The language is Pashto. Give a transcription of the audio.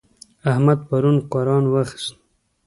احمد پرون قرآن واخيست.